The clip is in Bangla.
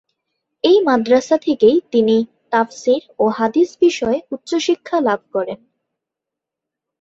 এই মাদ্রাসা থেকেই তিনি তাফসীর ও হাদীস বিষয়ে উচ্চশিক্ষা লাভ করেন।